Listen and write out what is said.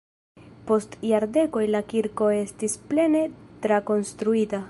Post jardekoj la kirko estis plene trakonstruita.